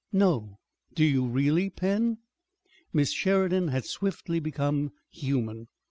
"No! Do you really, Pen?" Miss Sheridan had swiftly become human.